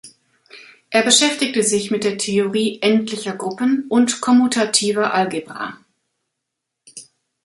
Er beschäftigte sich mit der Theorie endlicher Gruppen und kommutativer Algebra.